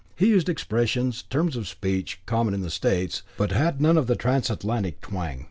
He used expressions, terms of speech common in the States, but had none of the Transatlantic twang.